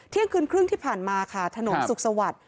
เที่ยงคืนครึ่งที่ผ่านมาค่ะถนนสุขสวัสดิ์